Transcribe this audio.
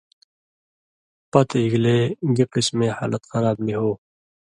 پتہۡ اِگلے گی قِسمَیں حالَت خراب نی ہو؛